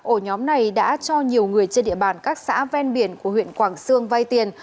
ổ nhóm này đã cho nhiều người trên địa bàn các xã ven biển của huyện quảng sương vay tiền